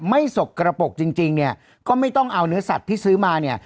สกระปกจริงจริงเนี่ยก็ไม่ต้องเอาเนื้อสัตว์ที่ซื้อมาเนี่ย